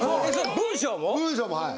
文章もはい。